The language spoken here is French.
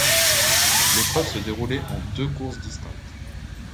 L'épreuve se déroulait en deux courses distinctes.